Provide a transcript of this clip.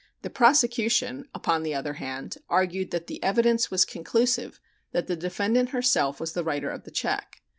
The prosecution, upon the other hand, argued that the evidence was conclusive that the defendant herself was the writer of the check.